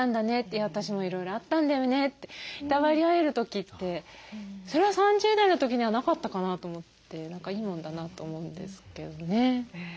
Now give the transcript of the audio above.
私もいろいろあったんだよね」っていたわり合える時ってそれは３０代の時にはなかったかなと思っていいもんだなと思うんですけどね。